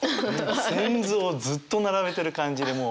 仙豆をずっと並べてる感じでもう。